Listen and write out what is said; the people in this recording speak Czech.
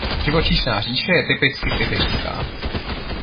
Živočišná říše je typicky sibiřská.